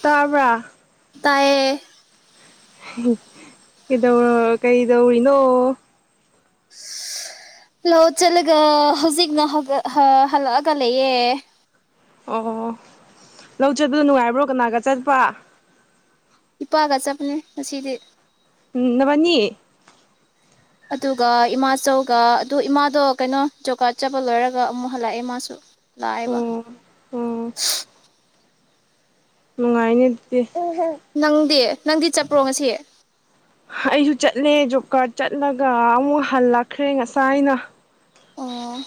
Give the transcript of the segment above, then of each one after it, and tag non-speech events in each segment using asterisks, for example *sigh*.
ꯇꯥꯕ꯭ꯔꯥ ꯇꯥꯏꯌꯦ *unintelligible* ꯀꯩꯗꯧꯔ ꯀꯩꯗꯧꯔꯤ ꯅꯣ ꯂꯧ ꯆꯠꯂꯒ ꯍꯧꯖꯤꯛꯅ *unintelligible* ꯍꯜꯂꯛꯑꯒ ꯂꯩꯌꯦ ꯑꯣ ꯂꯧ ꯆꯠꯄꯗꯨ ꯅꯨꯡꯉꯥꯏꯕ꯭ꯔꯣ ꯀꯅꯥꯒ ꯆꯠꯄ ꯏꯄꯥꯒ ꯆꯠꯄꯅꯦ ꯉꯁꯤꯗꯤ ꯎꯝ ꯅꯕꯅꯤ ꯑꯗꯨꯒ ꯏꯃꯥꯆꯧꯒ ꯑꯗꯨ ꯏꯃꯥꯗꯣ ꯀꯩꯅꯣ ꯖꯣꯕ ꯀꯥꯔꯗ ꯆꯠꯄ ꯂꯣꯏꯔꯒ ꯑꯃꯨꯛ ꯍꯜꯂꯛꯑꯦ ꯏꯃꯥꯁꯨ ꯂꯥꯑꯦꯕ ꯑꯣ ꯑꯣ *unintelligible* ꯅꯨꯡꯉꯥꯏꯅꯦ ꯑꯗꯨꯗꯤ *unintelligible* ꯅꯪꯗꯤ ꯅꯪꯗꯤ ꯆꯠꯄ꯭ꯔꯣ ꯉꯁꯤ ꯑꯩꯁꯨ ꯆꯠꯂꯦ ꯖꯣꯕ ꯀꯥꯔꯗ ꯆꯠꯂꯒ ꯑꯃꯨꯛ ꯍꯜꯂꯛꯈ꯭ꯔꯦ ꯉꯁꯥꯏꯅ ꯑꯣ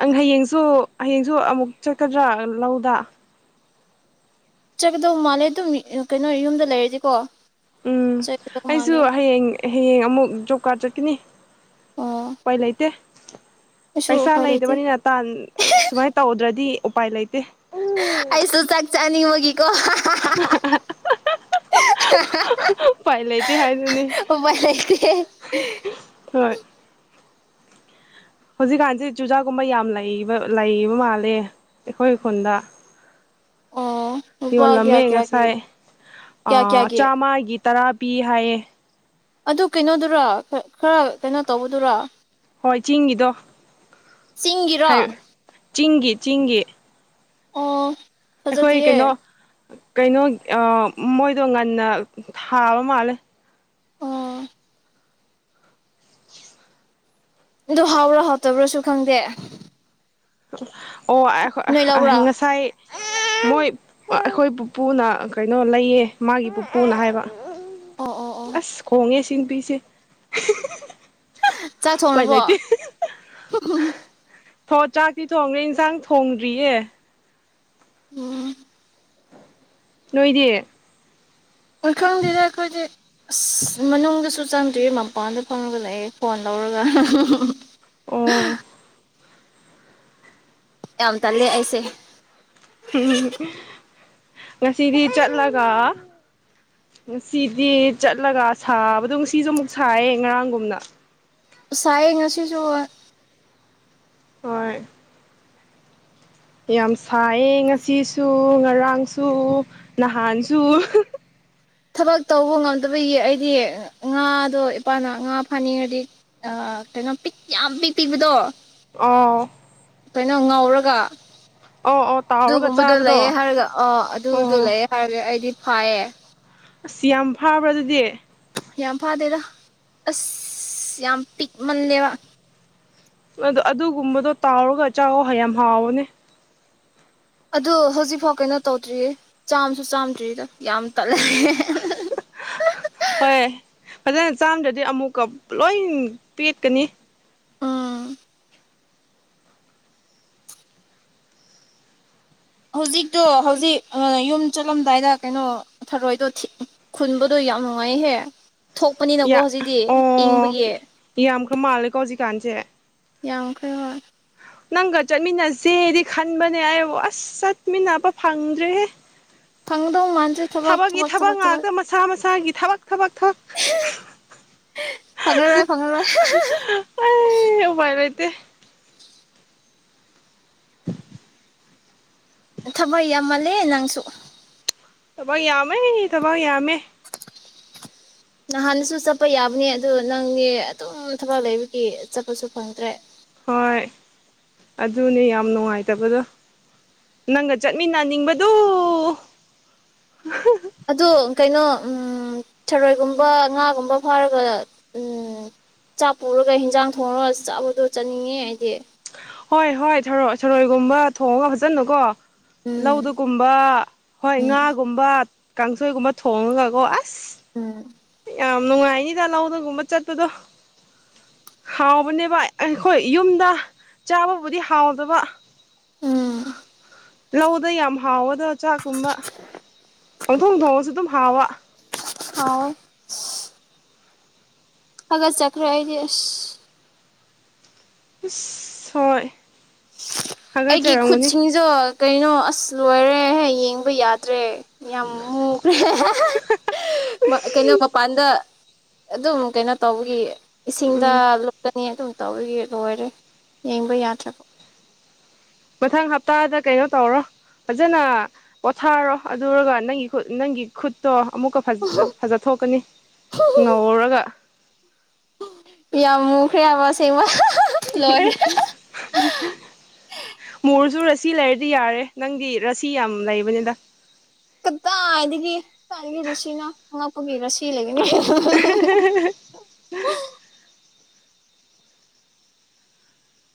ꯑꯪ ꯍꯌꯦꯡꯁꯨ ꯍꯌꯦꯡꯁꯨ ꯑꯃꯨꯛ ꯆꯠꯀꯗ꯭ꯔꯥ ꯂꯧꯗ ꯆꯠꯀꯗꯧ ꯃꯥꯜꯂꯦ ꯑꯗꯨꯝ *unintelligible* ꯀꯩꯅꯣ ꯌꯨꯝꯗ ꯂꯩꯔꯗꯤꯀꯣ ꯎꯝ ꯆꯠꯀꯗꯧ ꯑꯩꯁꯨ ꯃꯥꯜꯂꯦ ꯍꯌꯦꯡ ꯍꯌꯦꯡ ꯑꯃꯨꯛ ꯖꯣꯕ ꯀꯥꯔꯗ ꯆꯠꯀꯅꯤ ꯑꯣ ꯎꯄꯥꯏ ꯂꯩꯇꯦ ꯑꯩꯁꯨ ꯄꯩꯁꯥ ꯎꯄꯥꯏ ꯂꯩꯇꯦ ꯂꯩꯗꯕꯅꯤꯅ ꯇꯥꯟ ꯁꯨꯃꯥꯏꯟ ꯇꯧꯗ꯭ꯔꯗꯤ ꯎꯄꯥꯏ ꯂꯩꯇꯦ ꯑꯩꯁꯨ ꯆꯥꯛ ꯆꯥꯅꯤꯡꯕꯒꯤꯀꯣ *unintelligible* *inaudible* ꯄꯥꯏ ꯂꯩꯇꯦ ꯍꯥꯏꯗꯨꯅꯦ ꯎꯄꯥꯏ ꯂꯩꯇꯦ ꯍꯣꯏ ꯍꯧꯖꯤꯛꯀꯥꯟꯁꯤ ꯆꯨꯖꯥꯛꯀꯨꯝꯕ ꯌꯥꯝ ꯂꯩꯕ ꯂꯩꯕ ꯃꯥꯜꯂꯦ ꯑꯩꯈꯣꯏ ꯈꯨꯟꯗ ꯑꯣ ꯂꯨꯄꯥ ꯀꯌꯥ ꯌꯣꯜꯂꯝꯃꯦ ꯀꯌꯥꯒꯤ ꯉꯁꯥꯏ ꯀꯌꯥ ꯀꯌꯥꯒꯤ ꯆꯥꯃꯒꯤ ꯇꯔꯥ ꯄꯤ ꯍꯥꯏꯌꯦ ꯑꯗꯨ ꯀꯩꯅꯣꯗꯨꯔꯥ ꯈꯔ ꯀꯩꯅꯣ ꯇꯧꯕꯗꯨꯔꯥ ꯍꯣꯏ ꯆꯤꯡꯒꯤꯗꯣ ꯍꯥꯏ ꯆꯤꯡꯒꯤꯔꯣ ꯆꯤꯡꯒꯤ ꯆꯤꯡꯒꯤ ꯑꯣ ꯑꯩꯈꯣꯏ ꯀꯩꯅꯣ ꯐꯖꯗꯤꯌꯦ ꯀꯩꯅꯣ ꯃꯣꯏꯗꯣ ꯉꯟꯅ ꯊꯥꯕ ꯃꯥꯜꯂꯦ ꯑꯣ ꯑꯗꯨ ꯍꯥꯎꯕ꯭ꯔꯣ ꯍꯥꯎꯇꯕ꯭ꯔꯣꯁꯨ ꯈꯪꯗꯦ ꯅꯣꯏ ꯑꯣ ꯂꯧꯕ꯭ꯔꯥ ꯉꯁꯥꯏ ꯃꯣꯏ ꯑꯩꯈꯣꯏ ꯄꯨꯄꯨꯅ ꯀꯩꯅꯣ ꯂꯩꯌꯦ ꯃꯥꯒꯤ ꯄꯨꯄꯨꯅ ꯍꯥꯏꯕ ꯑꯣ ꯑꯣ ꯑꯣ ꯑꯁ ꯈꯣꯡꯉꯦ ꯁꯤ ꯅꯨꯄꯤꯁꯦ ꯆꯥꯛ ꯎꯄꯥꯏ ꯊꯣꯡꯔꯕꯣ ꯂꯩꯇꯦ ꯊꯣ ꯆꯥꯛꯇꯤ ꯊꯣꯡꯈ꯭ꯔꯦ ꯏꯟꯁꯥꯡ ꯊꯣꯡꯗ꯭ꯔꯤꯌꯦ ꯎꯝ ꯅꯣꯏꯗꯤ ꯎꯏꯈꯪꯗꯦꯗ ꯑꯩꯈꯣꯏꯗꯤ ꯑꯁ ꯃꯅꯨꯡꯗꯁꯨ ꯆꯪ ꯇꯦ ꯃꯄꯥꯟꯗ ꯐꯝꯃꯒ ꯂꯩꯑꯦ ꯐꯣꯟ ꯂꯧꯔꯒ ꯑꯣ ꯌꯥꯝ ꯇꯜꯂꯦ ꯑꯩꯁꯦ ꯎꯝ ꯉꯁꯤꯗꯤ ꯆꯠꯂꯒ ꯉꯁꯤꯗꯤ ꯆꯠꯂꯒ ꯁꯥꯕꯗꯣ ꯉꯁꯤꯁꯨ ꯑꯃꯨꯛ ꯁꯥꯏꯌꯦ ꯉꯔꯥꯡꯒꯨꯝꯅ ꯁꯥꯏꯌꯦ ꯉꯁꯤꯁꯨ ꯍꯣꯏ ꯌꯥꯝ ꯁꯥꯏꯌꯦ ꯉꯁꯤꯁꯨ ꯉꯔꯥꯡꯁꯨ ꯅꯍꯥꯟꯁꯨ ꯊꯕꯛ ꯇꯧꯕ ꯉꯝꯗꯕꯒꯤ ꯑꯩꯗꯤ ꯉꯥꯗꯣ ꯏꯄꯥꯅ ꯉꯥ ꯐꯥꯅꯤꯡꯉꯗꯤ ꯑꯥ ꯀꯩꯅꯣꯝ ꯄꯤꯛ ꯌꯥꯝ ꯄꯤꯛ ꯄꯤꯕꯗꯣ ꯑꯣ ꯀꯩꯅꯣ ꯉꯧꯔꯒ ꯑꯣ ꯑꯣ ꯇꯥꯎꯔꯒ ꯑꯗꯨꯒꯨꯝꯕꯗꯣ ꯂꯩꯌꯦ ꯆꯥꯕꯗꯣ ꯍꯥꯏꯔꯒ ꯑ ꯑꯗꯨꯗꯣ ꯑꯣ ꯂꯩꯑꯦ ꯍꯥꯏꯔꯒ ꯑꯩꯗꯤ ꯐꯌꯦ ꯑꯁ ꯌꯥꯝ ꯐꯥꯕ꯭ꯔꯥ ꯑꯗꯨꯗꯤ ꯌꯥꯝ ꯐꯥꯗꯦꯗ ꯑꯁ ꯌꯥꯝ ꯄꯤꯛꯃꯜꯂꯦꯕ ꯑꯗꯣ ꯑꯗꯨꯒꯨꯝꯕꯗꯣ ꯇꯥꯎꯔꯒ ꯆꯥꯥꯎ ꯑꯣ ꯌꯥꯝ ꯍꯥꯎꯕꯅꯦ ꯑꯗꯣ ꯍꯧꯖꯤꯛꯐꯥꯎ ꯀꯩꯅꯣ ꯇꯧꯗ꯭ꯔꯤꯌꯦ ꯆꯥꯝꯁꯨ ꯆꯥꯝꯗ꯭ꯔꯤꯗ ꯌꯥꯝ ꯇꯠꯂꯦ *inaudible* ꯍꯣꯏ ꯐꯖꯅ ꯆꯥꯝꯗ꯭ꯔꯗꯤ ꯑꯃꯨꯛꯀ ꯂꯣꯏ ꯄꯦꯠꯀꯅꯤ ꯎꯝ ꯍꯧꯖꯤꯛꯇꯣ ꯍꯧꯖꯤꯛ ꯌꯨꯝ ꯆꯠꯂꯝꯗꯥꯏꯗ ꯀꯩꯅꯣ ꯊꯔꯣꯏꯗꯣ ꯊ ꯈꯨꯟꯕꯗꯣ ꯌꯥꯝ ꯅꯨꯡꯉꯥꯏꯍꯦ ꯊꯣꯛꯄꯅꯤꯅꯀꯣ ꯍꯧꯖꯤꯛꯇꯤ ꯏꯪꯕꯒꯤ ꯌꯥꯝꯈꯔ ꯃꯥꯜꯂꯦꯀꯣ ꯍꯧꯖꯤꯛꯀꯥꯟꯁꯦ ꯌꯥꯝꯈ꯭ꯔꯦ ꯍꯣꯏ ꯅꯪꯒ ꯆꯠꯃꯤꯟꯅꯁꯦꯗꯤ ꯈꯟꯕꯅꯦ ꯑꯩꯕꯣ ꯑꯁ ꯆꯠꯃꯤꯟꯅꯕ ꯐꯪꯗ꯭ꯔꯦꯍꯦ ꯐꯪꯗꯧ ꯃꯥꯟꯗꯦ ꯊꯕꯥꯛ ꯊꯕꯛꯀꯤ ꯊꯕꯛ ꯊꯕꯛ ꯊꯕꯛ ꯉꯥꯛꯇ ꯃꯁꯥ ꯃꯁꯥ ꯒꯤ ꯊꯕꯛ‌ ꯊꯕꯛ ꯐꯉꯔꯣꯏ ꯐꯉꯔꯣꯏ ꯑꯦ ꯎꯄꯥꯏ ꯂꯩꯇꯦ ꯊꯕꯛ ꯌꯥꯝꯃꯜꯂꯦ ꯅꯪꯁꯨ ꯊꯕꯛ ꯌꯥꯝꯃꯦ ꯊꯕꯛ ꯌꯥꯝꯃꯦ ꯬ *inaudible* ꯅꯍꯥꯟꯁꯨ ꯆꯠꯄ ꯌꯥꯕꯅꯦ ꯑꯗꯨ ꯅꯪꯒꯤ ꯑꯗꯨꯝ ꯊꯕꯛ ꯂꯩꯕꯒꯤ ꯆꯠꯄꯁꯨ ꯐꯪꯗ꯭ꯔꯦ ꯍꯣꯏ ꯑꯗꯨꯅꯦ ꯌꯥꯝ ꯅꯨꯡꯉꯥꯏꯇꯕꯗꯣ ꯅꯪꯒ ꯆꯠꯃꯤꯟꯅꯅꯤꯡꯕꯗꯨ ꯑꯗꯣ ꯀꯩꯅꯣ ꯊꯥꯔꯣꯏꯒꯨꯝꯕ ꯉꯥꯒꯨꯝꯕ ꯐꯥꯔꯒ ꯎꯝ ꯆꯥꯛ ꯄꯨꯔꯒ ꯍꯤꯟꯖꯥꯡ ꯊꯣꯡꯉꯒ ꯆꯥꯕꯗꯣ ꯆꯥꯅꯤꯡꯉꯦ ꯑꯩꯗꯤ ꯍꯣꯏ ꯍꯣꯏ ꯊꯔꯣꯏ ꯊꯥꯔꯣꯏꯒꯨꯝꯕ ꯊꯣꯡꯉꯒ ꯐꯖꯟꯅꯀꯣ ꯎꯝ ꯂꯧꯗꯒꯨꯝꯕ ꯍꯣꯏ ꯎꯝ ꯉꯥꯒꯨꯝꯕ ꯀꯥꯡꯁꯣꯏꯒꯨꯝꯕ ꯊꯣꯡꯉꯒꯀꯣ ꯑꯁ ꯎꯝ ꯌꯥꯝ ꯅꯨꯡꯉꯥꯏꯅꯤꯗ ꯂꯧꯗꯒꯨꯝꯕ ꯆꯠꯄꯗꯣ ꯍꯥꯎꯕꯅꯦꯕ ꯑꯩꯈꯣꯏ ꯌꯨꯝꯗ ꯆꯥꯕꯕꯨꯗꯤ ꯍꯥꯎꯇꯕ ꯎꯝ ꯂꯧꯗ ꯌꯥꯝ ꯍꯥꯎꯕꯗ ꯆꯥꯛꯀꯨꯝꯕ *inaudible* ꯄꯪꯊꯣꯡ ꯊꯣꯡꯉꯁꯨ ꯑꯗꯨꯝ ꯍꯥꯎꯕ ꯍꯥꯎꯋꯦ ꯍꯒꯠ ꯆꯀ꯭ꯔꯦ ꯑꯩꯗꯤ ꯑꯁ ꯑꯁ ꯍꯣꯏ ꯑꯩꯒꯤ ꯍꯥꯒꯠꯆꯔꯝꯒꯅꯤ ꯈꯨꯠꯁꯤꯡꯁꯨ ꯀꯩꯅꯣ ꯑꯁ ꯂꯣꯏꯔꯦ ꯌꯦꯡꯕ ꯌꯥꯗ꯭ꯔꯦ ꯌꯥꯝꯃꯨ *unintelligible* ꯀꯩꯅꯣ ꯃꯄꯥꯟꯗ ꯑꯗꯨꯝ ꯀꯩꯅꯣ ꯇꯧꯕꯒꯤ ꯏꯁꯤꯡꯗ ꯎꯝ ꯂꯨꯞꯀꯅꯤ ꯑꯗꯨꯝ ꯇꯧꯕꯒꯤ ꯂꯣꯏꯔꯦ ꯌꯦꯡꯕ ꯌꯥꯗ꯭ꯔꯕ ꯃꯊꯪ ꯍꯞꯇꯥꯗ ꯀꯩꯅꯣ ꯇꯧꯔꯣ ꯐꯖꯅ ꯄꯣꯊꯥꯔꯣ ꯑꯗꯨꯔꯒ ꯅꯪꯒꯤ ꯈꯨꯠ ꯅꯪꯒꯤ ꯈꯨꯠꯇꯣ ꯑꯃꯨꯛꯀ ꯐꯖ ꯐꯖꯊꯣꯛꯀꯅꯤ ꯉꯧꯔꯒ ꯌꯥꯝ ꯃꯨꯈ꯭ꯔꯦꯕ ꯑꯁꯦꯡꯕ ꯂꯣꯏꯔꯦ ꯍꯨꯍꯨꯍꯨ ꯃꯨꯔꯁꯨ ꯔꯥꯁꯤ ꯂꯩꯔꯗꯤ ꯌꯥꯔꯦ ꯅꯪꯗꯤ ꯔꯥꯁꯤ ꯌꯥꯝ ꯂꯩꯕꯅꯤꯗ ꯀꯗꯥꯏꯗꯒꯤ ꯀꯥꯏꯗꯒꯤ ꯔꯁꯤꯅꯣ ꯑꯉꯛꯄꯒꯤ ꯔꯁꯤ ꯂꯩꯒꯅꯤ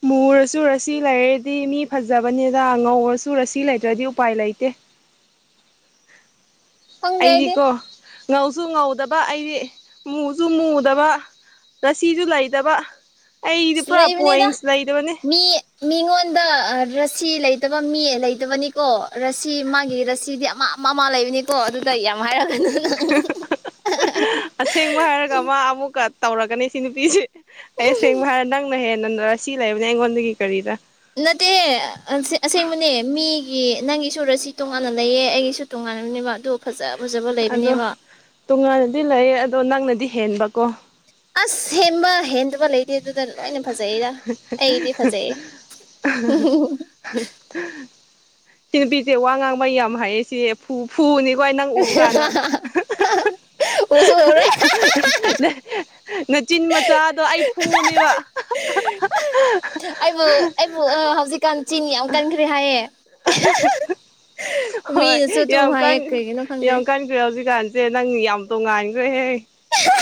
ꯃꯨꯔꯁꯨ ꯔꯁꯤ ꯂꯩꯔꯗꯤ ꯃꯤ ꯐꯖꯕꯅꯤꯅ ꯉꯧꯔꯁꯨ ꯔꯁꯤ ꯂꯩꯇ꯭ꯔꯗꯤ ꯎꯄꯥꯏ ꯂꯩꯇꯦ ꯈꯪꯗꯦ ꯑꯩꯗꯤ ꯑꯩꯗꯤꯀꯣ ꯉꯧꯁꯨ ꯉꯧꯗꯕ ꯑꯩꯗꯤ ꯃꯨꯁꯨ ꯃꯨꯗꯕ ꯔꯥꯁꯤꯁꯨ ꯂꯩꯇꯕ ꯑꯩꯗꯤ ꯑꯁ ꯄꯨꯔꯥ ꯂꯩꯕꯅꯤꯗ ꯄꯣꯏꯟꯁ ꯂꯩꯗꯕꯅꯦ ꯃꯤ ꯃꯤꯉꯣꯟꯗ ꯔꯁꯤ ꯂꯩꯇꯕ ꯃꯤ ꯂꯩꯇꯕꯅꯤꯀꯣ ꯔꯁꯤ ꯃꯥꯒꯤ ꯔꯁꯤꯗꯤ ꯑꯃ ꯑꯃ ꯃꯥ ꯂꯩꯕꯅꯤꯀꯣ ꯑꯗꯨꯗ ꯌꯥꯝ ꯍꯥꯏꯔꯛꯀꯅꯨ ꯅꯪ ꯑꯁꯦꯡꯕ ꯍꯥꯏꯔꯒ ꯃꯥ ꯑꯃꯨꯛꯀ ꯇꯧꯔꯛꯀꯅꯤ ꯁꯤ ꯅꯨꯄꯤꯁꯦ ꯑꯩ ꯑꯁꯦꯡꯕ ꯍꯥꯏꯔꯒ ꯅꯪꯅ ꯍꯦꯜ ꯅꯪꯅ ꯔꯥꯁꯤ ꯂꯩꯥꯕꯅꯦ ꯑꯩꯉꯣꯟꯗꯒꯤ ꯀꯔꯤꯔ ꯅꯠꯇꯦꯍꯦ ꯑꯁ ꯑꯁꯦꯡꯕꯅꯦ ꯃꯤꯒꯤ ꯅꯪꯒꯤꯁꯨ ꯔꯁꯤ ꯇꯣꯉꯥꯟꯅ ꯂꯩꯌꯦ ꯑꯩꯒꯤꯁꯨ ꯇꯣꯉꯥꯟꯕꯅꯦꯕ ꯑꯗꯨ ꯐꯖ ꯐꯖꯕ ꯑꯗꯣ ꯂꯩꯕꯅꯦꯕ ꯇꯣꯉꯥꯟꯅꯗꯤ ꯂꯩ ꯑꯗꯣ ꯅꯪꯅꯗꯤ ꯍꯦꯟꯕꯀꯣ ꯑꯁ ꯍꯦꯕ ꯍꯦꯟꯗꯕ ꯂꯩ ꯇꯦ ꯑꯗꯨꯗ ꯂꯣꯏꯅ ꯐꯖꯩꯗ ꯑꯩꯒꯤꯗꯤ ꯐꯖꯩꯌꯦ ꯁꯤꯅꯨꯄꯤꯁꯤ ꯋꯥ ꯉꯥꯡꯕ ꯌꯥꯝ ꯍꯩꯌꯦ ꯁꯤ ꯐꯨ ꯐꯨꯅꯤꯀꯣ ꯑꯩ ꯅꯪ ꯎꯕ ꯀꯥꯟꯗ ꯎꯁꯨ ꯎꯔꯦ *unintelligible* ꯅꯆꯤꯟ ꯃꯆꯥꯗꯣ ꯑꯩ ꯐꯨꯅꯤꯕ ꯑꯩꯕꯨ ꯑꯩꯕꯨ ꯑ ꯍꯧꯖꯤꯛꯀꯥꯟ ꯆꯤꯟ ꯌꯥꯝ ꯀꯟꯈ꯭ꯔꯦ ꯍꯥꯏꯌꯦ ꯍꯣꯏ ꯃꯤꯅꯁꯨ ꯑꯗꯨꯝ ꯌꯥꯝ ꯀꯟ ꯍꯥꯏꯌꯦ ꯀ꯭ꯔꯤꯒꯤꯅꯣ ꯈꯪꯗꯦ ꯌꯥꯝ ꯀꯟꯈ꯭ꯔꯦ ꯍꯧꯖꯤꯛꯀꯥꯟꯁꯦ ꯅꯪ ꯌꯥꯝ ꯇꯣꯉꯥꯏꯈ꯭ꯔꯦꯍꯦ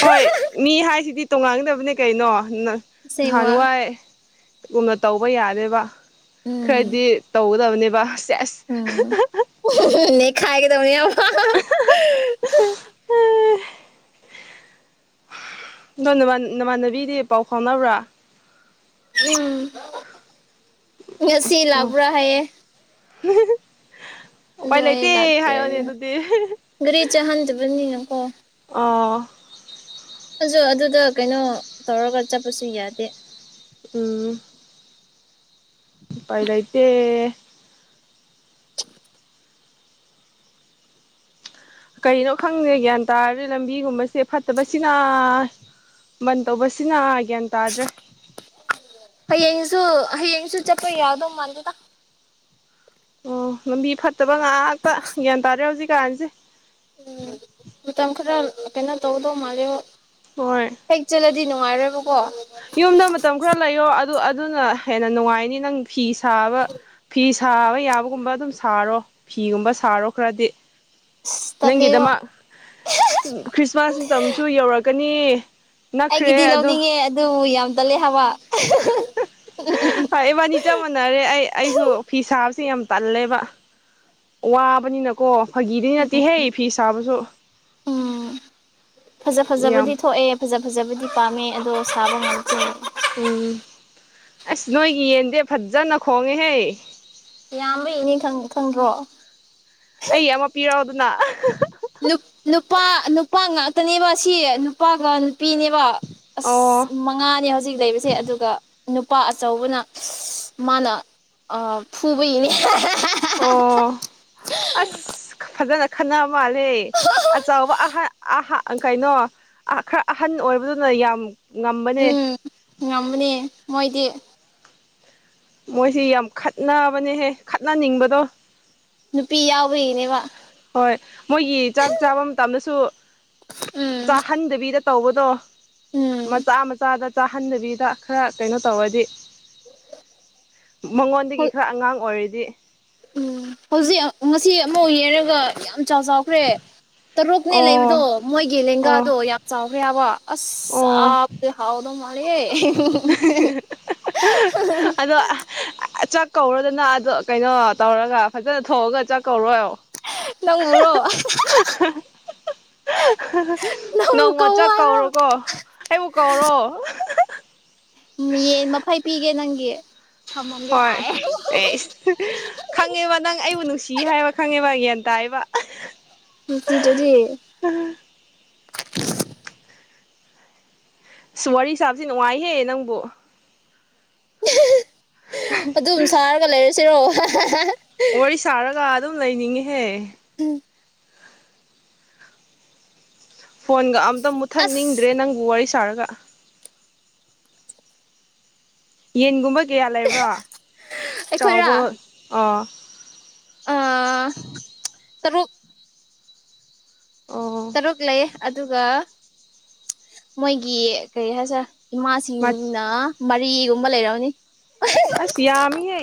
ꯍꯣꯏ ꯃꯤ ꯍꯥꯏꯁꯤꯗꯤ ꯇꯣꯉꯥꯟꯒꯗꯕꯅꯦ ꯀꯩꯅꯣ ꯅ ꯑꯁꯦꯡꯕ ꯅꯍꯥꯟꯍꯥꯏ ꯎꯅ ꯇꯧꯕ ꯌꯥꯗꯦꯕ ꯎꯝ ꯈ꯭ꯔꯗꯤ ꯇꯧꯒꯗꯕꯅꯦꯕ ꯁꯦꯁ ꯎꯝ ꯅꯩꯈꯥꯏꯒꯗꯕꯅꯦꯕꯅꯦ ꯍꯦ ꯗꯣ ꯅꯃꯥꯟ ꯅꯃꯥꯟꯅꯕꯤꯗꯤ ꯄꯥꯎ ꯐꯥꯎꯅꯕ꯭ꯔꯥ ꯎꯝ ꯉꯁꯤ ꯑꯣ ꯂꯥꯛꯄ꯭ꯔꯥ ꯍꯥꯏꯌꯦ *unintelligible* ꯑꯗꯣ ꯎꯄꯥꯏ ꯑꯩ ꯂꯩꯇ ꯂꯥꯛꯇ꯭ꯔꯦ ꯍꯥꯏꯌꯅꯦ ꯑꯗꯨꯗꯤ ꯒꯥꯔꯤ ꯆꯥꯍꯟꯗꯕꯅꯤꯅꯀꯣ ꯑꯣ ꯖꯨ ꯑꯗꯨꯗꯣ ꯀꯩꯅꯣ ꯇꯧꯔꯒ ꯆꯠꯄꯁꯨ ꯌꯥꯗꯦ ꯎꯝ ꯎꯄꯥꯏ ꯂꯩꯇꯦ ꯀꯩꯅꯣ ꯈꯪꯗꯦ ꯒ꯭ꯌꯥꯟ ꯇꯥꯗꯦ ꯂꯝꯕꯤꯒꯨꯝꯕꯁꯦ ꯐꯠꯇꯕꯁꯤꯅ ꯕꯟ ꯇꯧꯕꯁꯤꯅ ꯒ꯭ꯌꯥꯟ ꯇꯥꯗ꯭ꯔꯦ ꯍꯌꯦꯡꯁꯨ ꯍꯌꯦꯡꯁꯨ ꯆꯠꯄ ꯌꯥꯗꯧ ꯃꯥꯥꯟꯗꯦꯗꯥ ꯑꯣ ꯂꯝꯕꯤ ꯐꯠꯇꯕ ꯉꯥꯛꯇ ꯒ꯭ꯌꯥꯟ ꯇꯥꯗꯦ ꯍꯧꯖꯤꯛꯀꯥꯟꯁꯦ ꯎꯝ ꯃꯇꯝ ꯈꯔ ꯀꯩꯅꯣ ꯇꯧꯗꯧ ꯃꯥꯜꯂꯦꯕꯣ ꯍꯣꯏ ꯍꯦꯛ ꯆꯠꯂꯗꯤ ꯅꯨꯡꯉꯥꯏꯔꯣꯏꯕꯀꯣ ꯌꯨꯝꯗ ꯃꯇꯝ ꯈꯔ ꯂꯩꯌꯣ ꯑꯗꯨ ꯑꯗꯨꯅ ꯍꯦꯟꯅ ꯅꯨꯡꯉꯥꯏꯅꯤ ꯅꯪ ꯐꯤ ꯁꯥꯕ ꯐꯤ ꯁꯥꯕ ꯌꯥꯕꯒꯨꯝꯕ ꯑꯗꯨꯝ ꯁꯥꯔꯣ ꯐꯤꯒꯨꯝꯕ ꯁꯥꯔꯣ ꯈꯔꯗꯤ ꯑꯁ ꯇꯜꯂꯦꯕ ꯅꯪꯒꯤꯗꯃꯛ ꯈ꯭ꯔꯤꯁꯃꯥꯁ ꯃꯇꯝꯁꯨ ꯌꯧꯔꯛꯀꯅꯤ ꯅꯛꯈ꯭ꯔꯦ ꯑꯩꯒꯤꯗꯤ ꯑꯗꯣ ꯂꯧꯅꯤꯡꯉꯦ ꯑꯗꯨ ꯌꯥꯝ ꯇꯜꯂꯦ ꯍꯥꯕ ꯏꯕꯥꯅꯤ ꯆꯞ ꯃꯥꯟꯅꯔꯦ ꯑꯩ ꯑꯩꯁꯨ ꯐꯤ ꯁꯥꯕꯁꯦ ꯌꯥꯝ ꯇꯜꯂꯦꯕ ꯋꯥꯕꯅꯤ ꯅ ꯀꯣ ꯐꯥꯒꯤꯗꯤ ꯅꯠꯇꯦꯍꯦ ꯐꯤ ꯁꯥꯕꯁꯨ ꯎꯝ ꯐꯖ ꯌꯥꯝ ꯐꯖꯕꯗꯤ ꯊꯣꯛꯑꯦ ꯐꯖ ꯐꯖꯕꯗꯤ ꯄꯥꯝꯃꯦ ꯑꯗꯣ ꯁꯥꯕ ꯉꯝꯇ꯭ꯔꯦ ꯎꯝ ꯑꯁ ꯅꯣꯏꯒꯤ ꯌꯦꯟꯗꯦ ꯐꯖꯅ ꯈꯣꯡꯉꯦꯍꯦ ꯌꯥꯝꯕꯒꯤꯅꯦ ꯈꯪ ꯈꯪꯗ꯭ꯔꯣ ꯑꯩꯒꯤ ꯑꯃ ꯄꯤꯔꯛꯑꯣꯗꯅ ꯂꯨꯄꯥ ꯂꯨꯄꯥ ꯅꯨꯄꯥ ꯉꯥꯛꯇꯅꯦꯕ ꯁꯤ ꯅꯨꯄꯥꯒ ꯄꯤꯅꯦꯕ ꯑꯁ ꯑꯣ ꯃꯠ ꯉꯥꯅꯦ ꯍꯧꯖꯤꯛ ꯂꯩꯕꯁꯦ ꯑꯗꯨꯒ ꯅꯨꯄꯥ ꯑꯆꯧꯕꯅ ꯃꯥꯅ ꯑ ꯐꯨꯕꯤꯕ ꯑꯣ ꯑꯁ ꯐꯖꯅ ꯈꯟꯅ ꯃꯥꯜꯂꯦ ꯑꯆꯧꯕ ꯑꯍ ꯑꯍꯥ ꯀꯩꯅꯣ ꯈꯔ ꯑꯍꯟ ꯑꯣꯏꯕꯗꯨꯅ ꯌꯥꯝ ꯉꯝꯕꯅꯦ ꯎꯝ ꯉꯝꯕꯅꯦ ꯃꯣꯏꯗꯤ ꯃꯣꯏꯁꯤ ꯌꯥꯝ ꯈꯠꯅꯕꯅꯦꯍꯦ ꯈꯠꯅꯅꯤꯡꯕꯗꯣ ꯅꯨꯄꯤ ꯌꯥꯎꯕꯒꯤꯅꯦꯕ ꯍꯣꯏ ꯃꯣꯏꯒꯤ ꯆꯥꯛ ꯆꯥꯕ ꯃꯇꯝꯗꯁꯨ ꯎꯝ ꯆꯥꯍꯟꯗꯕꯤꯗ ꯇꯧꯕꯗꯣ ꯎꯝ ꯃꯆꯥ ꯃꯆꯥꯗ ꯆꯥꯍꯟꯗꯕꯤꯗ ꯈꯔ ꯀꯩꯅꯣ ꯇꯧꯔꯗꯤ ꯃꯉꯣꯟꯗꯒꯤ ꯍꯣꯏ ꯈꯔ ꯑꯉꯥꯡ ꯑꯣꯏꯔꯗꯤ ꯎꯝ ꯍꯧꯖꯤꯛ ꯉꯁꯤ ꯑꯃꯨꯛ ꯌꯦꯡꯔꯒ ꯌꯥꯝ ꯆꯥꯎ ꯆꯥꯎꯈ꯭ꯔꯦ ꯇꯔꯨꯛꯅꯦ ꯂꯩꯕꯗꯣ ꯑꯣ ꯃꯣꯏꯒꯤ ꯑꯣ ꯂꯦꯡꯒꯥꯗꯣ ꯌꯥꯝ ꯆꯥꯎꯈ꯭ꯔꯦ ꯍꯥꯏꯕ ꯑꯁ ꯑꯣ ꯆꯥꯛꯇ ꯍꯥꯎꯗꯧ ꯃꯥꯜꯂꯤꯍꯦ ꯀꯧꯔꯣꯗꯅꯥ ꯑꯗꯣ ꯀꯩꯅꯣ ꯇꯧꯔꯒ ꯐꯖꯅ ꯊꯣꯡꯉꯒ ꯆꯥꯛ ꯀꯧꯔꯣ ꯍꯥꯏꯌꯣ ꯅꯪꯕꯨꯔꯣ *unintelligible* *unintelligible* ꯅꯪꯕꯨ ꯅꯣꯡꯃ ꯀꯧ ꯆꯥꯥꯛ ꯍꯥꯏꯕ꯭ꯔꯣ ꯀꯧꯔꯣꯀꯣ ꯑꯩꯕꯨ ꯀꯧꯔꯣ ꯌꯦꯟ ꯃꯐꯩ ꯄꯤꯒꯦ ꯅꯪꯒꯤ ꯊꯝꯃꯝꯒꯦ ꯍꯣꯏ ꯑꯥꯏ *unintelligible* *unintelligible* ꯈꯪꯉꯦꯕ ꯅꯪ ꯑꯩꯕꯨ ꯅꯨꯡꯁꯤ ꯍꯥꯏꯕ ꯈꯪꯉꯦꯕ ꯒ꯭ꯌꯥꯟ ꯇꯥꯏꯕ ꯅꯨꯡꯁꯤꯗ꯭ꯔꯗꯤ *unintelligible* ꯋꯥꯔꯤ ꯁꯥꯕꯖꯤ ꯅꯨꯡꯉꯥꯏꯍꯦ ꯅꯪꯕꯨ ꯑꯗꯨꯝ ꯁꯥꯔꯒ ꯂꯩꯔꯁꯤꯔꯣ *unintelligible* ꯋꯥꯔꯤ ꯁꯥꯔꯒ ꯑꯗꯨꯝ ꯂꯩꯅꯤꯡꯉꯤꯍꯦ ꯍꯨꯝ ꯐꯣꯟꯒ ꯑꯝꯇ ꯑꯁ ꯃꯨꯠꯊꯠꯅꯤꯡꯗ꯭ꯔꯦ ꯅꯪꯕꯨ ꯋꯥꯔꯤ ꯁꯥꯔꯒ ꯌꯦꯟꯒꯨꯝꯕ ꯀꯌꯥ ꯂꯩꯕ꯭ꯔꯥ ꯑꯩꯈꯣꯏꯔꯥ ꯆꯥꯎꯕ ꯑꯥ ꯑꯥ ꯇꯔꯨꯛ ꯑꯣ ꯇꯔꯨꯛ ꯂꯩ ꯑꯗꯨꯒ ꯃꯣꯏꯒꯤ ꯀꯔꯤ ꯍꯥꯏꯁꯦ ꯏꯃꯥꯁꯤꯡꯅ ꯃꯔꯤꯒꯨꯝꯕ ꯂꯩꯔꯝꯅꯤ ꯑꯁ ꯌꯥꯝꯃꯤꯍꯦ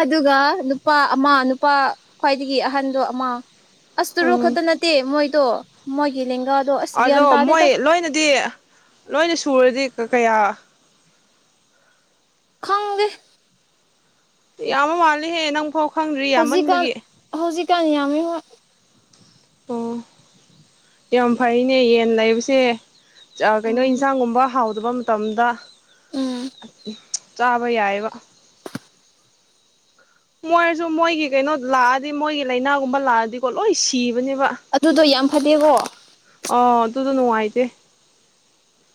ꯑꯗꯨꯒꯥ ꯅꯨꯄꯥ ꯑꯃ ꯅꯨꯄꯥ ꯈ꯭ꯋꯥꯏꯗꯒꯤ ꯑꯍꯟꯗꯣ ꯑꯃ ꯑꯁ ꯇꯔꯨꯛ ꯎꯝ ꯈꯠꯇ ꯅꯠꯇꯦ ꯃꯣꯏꯗꯣ ꯃꯣꯏꯒꯤ ꯂꯦꯡꯒꯥ ꯑꯗꯣ ꯃꯣꯏ ꯂꯣꯏꯅꯗꯤ ꯂꯣꯏꯅ ꯁꯨꯔꯗꯤ ꯀ ꯀꯌꯥ ꯈꯪꯗꯦ ꯌꯥꯝꯕ ꯃꯥꯜꯂꯤꯍꯦ ꯅꯪꯐꯥꯎ ꯈꯪꯗ꯭ꯔꯤ ꯍꯧꯖꯤꯛꯀꯥꯟ ꯌꯥꯝꯃꯟꯕꯒꯤ ꯍꯧꯖꯤꯛꯀꯥꯟ ꯌꯥꯝꯃꯤ ꯍꯣꯏ ꯑꯣ *inaudible* ꯌꯥꯝ ꯐꯩꯅꯦ ꯌꯦꯟ ꯂꯩꯕꯁꯦ ꯑꯥ ꯀꯩꯅꯣ ꯎꯝ ꯏꯟꯁꯥꯡꯒꯨꯝꯕ ꯍꯥꯎꯗꯕ ꯃꯇꯝꯗ ꯎꯝ ꯆꯥꯕ ꯌꯥꯏꯕ ꯃꯣꯏꯖꯨ ꯃꯣꯏꯒꯤ ꯀꯩꯅꯣ ꯂꯥꯛꯑꯗꯤ ꯃꯣꯏꯒꯤ ꯂꯥꯏꯅꯥꯒꯨꯝꯕ ꯂꯥꯛꯑꯗꯤꯀꯣ ꯂꯣꯏ ꯁꯤꯕꯅꯦꯕ ꯑꯗꯨꯗꯣ ꯌꯥꯝ ꯐꯠꯇꯦꯀꯣ ꯑ ꯑꯗꯨꯗꯣ ꯅꯨꯡꯉꯥꯏꯇꯦ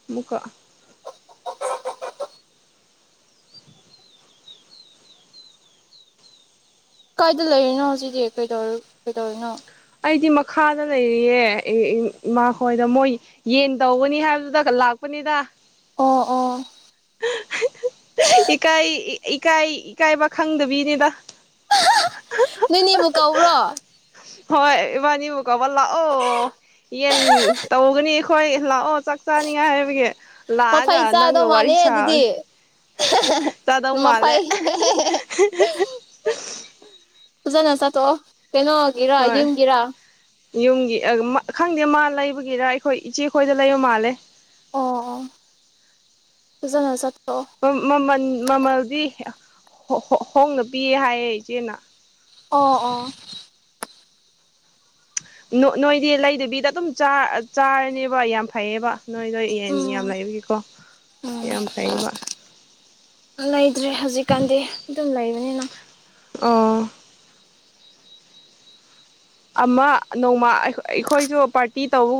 ꯑꯃꯨꯛꯀ ꯀꯥꯏꯗ ꯂꯩꯔꯤꯅꯣ ꯍꯨꯖꯤꯛꯀꯤ ꯀꯩꯗꯧ ꯀꯩꯗꯧꯔꯤꯅꯣ ꯑꯩꯗꯤ ꯃꯈꯥꯗ ꯂꯩꯔꯤꯌꯦ ꯏ ꯏ ꯏꯃꯥꯈꯣꯏꯗ ꯃꯣꯏ ꯌꯦꯟ ꯇꯧꯒꯅꯤ ꯍꯥꯏꯕꯗꯨꯗ ꯂꯥꯛꯄꯅꯤꯗ ꯑꯣ ꯑꯣ *unintelligible* ꯏꯀꯥꯏ ꯏ ꯏꯀꯥꯏ ꯏꯀꯥꯏꯕ ꯈꯪꯗꯕꯤꯅꯤꯗ ꯅꯣꯏꯅꯤꯕꯨꯨ ꯀꯧꯕ꯭ꯔꯣ ꯍꯣꯏ ꯏꯕꯥꯅꯤꯕꯨ ꯀꯧꯕ ꯂꯥꯛꯑꯣ ꯌꯦꯟ ꯇꯧꯒꯅꯤ ꯑꯈꯣꯏ ꯂꯥꯛꯑꯣ ꯆꯥꯛ ꯆꯥꯅꯤꯡꯉꯤ ꯍꯥꯏꯕꯒꯤ ꯂꯥꯛꯑꯒ ꯅꯪꯒ ꯋꯥꯔꯤ ꯁꯥ *unintelligible* ꯃꯈꯣꯏ *unintelligible* ꯐꯖꯅ ꯆꯥꯊꯣꯛꯑꯣ ꯀꯩꯅꯣꯒꯤꯔꯥ ꯍꯣꯏ ꯌꯨꯝꯒꯤꯔꯥ ꯌꯨꯝꯒꯤ ꯑ ꯃ ꯈꯪꯗꯦ ꯃꯥ ꯂꯩꯕꯒꯤꯔ ꯑꯩꯈꯣꯏ ꯏꯆꯦꯈꯣꯏꯗ ꯂꯩꯕ ꯃꯥꯜꯂꯦ ꯑꯣ-ꯑꯣ ꯐꯖꯅ ꯆꯥꯊꯣꯛꯑꯣ ꯃ-ꯃꯃꯟ ꯃꯃꯜꯗꯤ ꯍꯦ ꯑ ꯍꯣ-ꯍꯣ-ꯍꯣꯡꯅ ꯄꯤꯌꯦ ꯍꯥꯌꯦ ꯏꯆꯦꯅ ꯑꯣ ꯑꯣ ꯅꯣ-ꯅꯣꯏꯗꯤ ꯂꯩꯗꯕꯤꯗ ꯑꯗꯨꯝ ꯆꯥꯔ-ꯆꯥꯔꯅꯦꯕ ꯌꯥꯝ ꯐꯩꯌꯦꯕ ꯅꯣꯏ-ꯅꯣꯏ ꯌꯦꯟ ꯎꯝ ꯌꯥꯝ ꯂꯩꯕꯒꯤꯀꯣ ꯌꯥꯝ ꯐꯩꯌꯦꯕ ꯂꯩꯗ꯭ꯔꯦ ꯍꯧꯖꯤꯛꯀꯥꯟꯗꯤ ꯑꯗꯨꯝ ꯂꯩꯕꯅꯤꯅ ꯑꯣ ꯑꯃ ꯅꯣꯡꯃꯥ ꯑꯩꯈꯣꯏ-ꯑꯩꯈꯣꯏꯁꯨ ꯄꯥꯔꯇꯤ ꯇꯧꯕꯒꯨꯝ